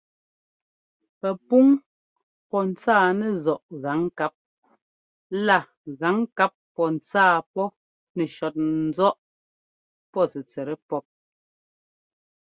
Pɛpúŋ pɔ́ ńtsáa nɛzɔ́ꞌ gaŋkáp lá gaŋkáp pɔ́ ntsáa pɔ́ nɛ shɔtnɛ ńzɔ́ꞌ pɔ́ tɛtsɛt pɔ́p.